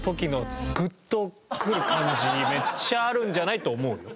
めっちゃあるんじゃない？と思うよ。